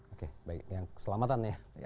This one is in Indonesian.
oke baik yang keselamatan ya